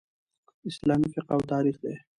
اسلامي فقه او تاریخ دئ.